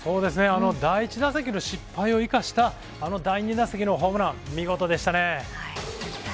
第１打席の失敗を生かした第２打席のホームラン見事でしたね。